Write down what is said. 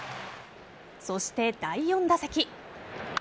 そして、第４打席。